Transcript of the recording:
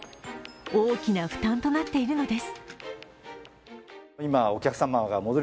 大きな負担となっているのです。